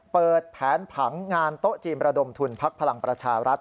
เปิดแผนผังงานโต๊ะจีนระดมทุนพักพลังประชารัฐ